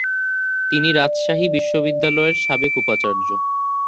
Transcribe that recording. তিনি রাজশাহী বিশ্ববিদ্যালয়ের সাবেক উপাচার্য।